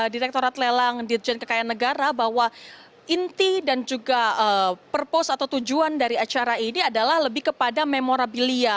direktorat lelang dirjen kekayaan negara bahwa inti dan juga purpose atau tujuan dari acara ini adalah lebih kepada memorabilia